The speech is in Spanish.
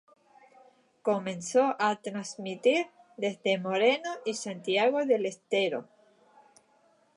Comenzó a transmitir desde Moreno y Santiago del Estero.